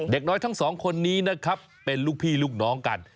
เด็กน้อยทั้งสองคนนี้นะครับเป็นลูกพี่ลูกน้องกัน